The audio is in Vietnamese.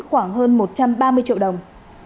khoảng hơn một trăm ba mươi triệu đồng